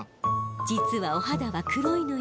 実はお肌は黒いのよ。